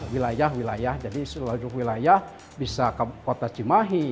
wilayah wilayah jadi seluruh wilayah bisa ke kota cimahi